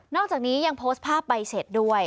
อกจากนี้ยังโพสต์ภาพใบเสร็จด้วย